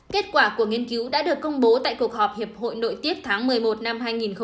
kết quả của nghiên cứu đã được công bố tại cuộc họp hiệp hội nội tiết tháng một mươi một năm hai nghìn hai mươi một